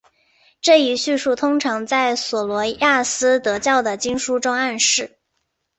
这一叙述通常在琐罗亚斯德教的经书中暗示。